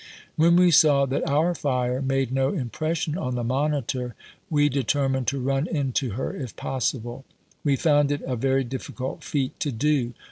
.. When we saw that our fire made no im pression on the Monitor we determined to run into her, if possible. We found it a very difficult feat to do.